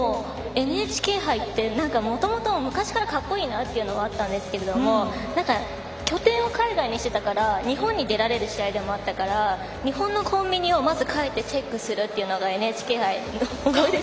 ＮＨＫ杯って、もともと昔からかっこいいなっていうのはあったんですけれども拠点を海外にしてたから日本に来られる試合だったから日本のコンビニを、まず帰ってチェックするっていうのがＮＨＫ杯の思い出。